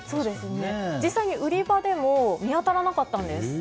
実際に売り場でも見当たらなかったんです。